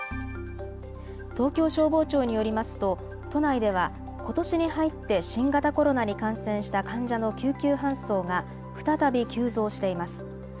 東京消防庁によりますと都内ではことしに入って新型コロナに感染した患者の救急搬送が再び急増しています。